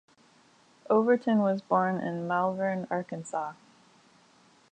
Overton was born in Malvern, Arkansas.